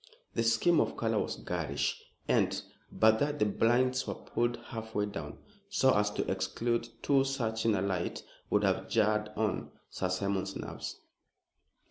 The scheme of color was garish, and, but that the blinds were pulled half way down, so as to exclude too searching a light, would have jarred on Sir Simon's nerves.